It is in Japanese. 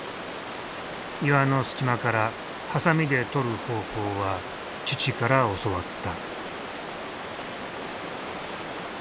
岩の隙間からハサミでとる方法は父から教わった。